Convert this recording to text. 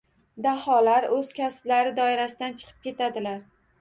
Daholar o’z kasblari doirasidan chiqib ketadilar.